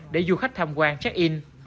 để du khách tham quan check in